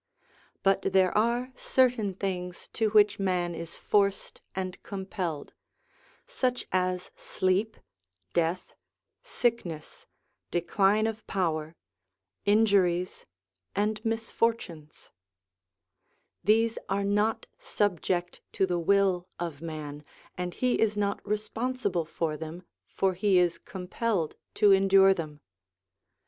But there are certain things to which man is forced and compelled : such as sleep, death, sickness, decline of power, injuries, and misfortunes ; these are not sub ject to the will of man, and he is not responsible for them, for he is compelled to endure them.